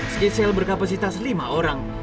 sekisal berkapasitas lima orang